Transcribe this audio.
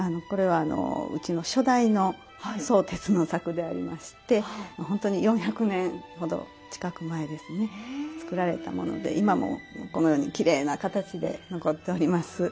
これはうちの初代の宗哲の作でありましてほんとに４００年ほど近く前ですね作られたもので今もこのようにきれいな形で残っております。